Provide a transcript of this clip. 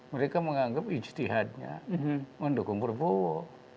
mereka menganggap ijtihadnya mendukung prabowo